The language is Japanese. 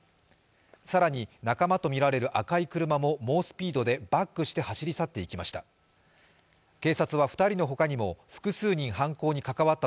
更に、仲間とみられる赤い車も猛スピードでバックして走り去っていきました。